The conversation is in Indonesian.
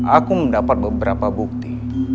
aku mendapat beberapa bukti